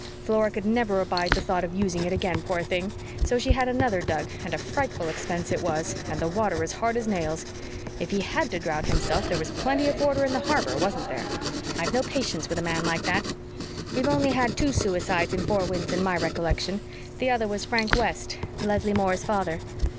Flora could never abide the thought of using it again, poor thing! So she had another dug and a frightful expense it was, and the water as hard as nails. If he HAD to drown himself there was plenty of water in the harbor, wasn't there? I've no patience with a man like that. We've only had two suicides in Four Winds in my recollection. The other was Frank West Leslie Moore's father.